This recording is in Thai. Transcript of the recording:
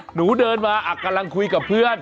หนูเดินมากำลังคุยกับเพื่อน